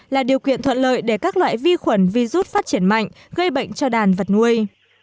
là điều kiện thuận lợi để các loại vi khuẩn virus phát triển mạnh gây bệnh cho đàn vật nuôi